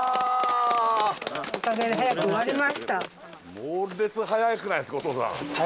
猛烈早くないですかお父さん。